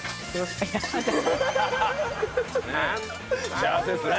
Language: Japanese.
幸せですね。